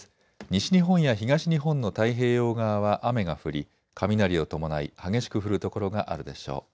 西日本や東日本の太平洋側は雨が降り、雷を伴い激しく降る所があるでしょう。